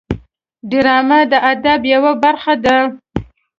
ډرامه د ادب یوه برخه ده